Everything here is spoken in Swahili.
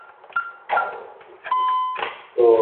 mapya katika Kiswahili Kijerumani kiliacha maneno machache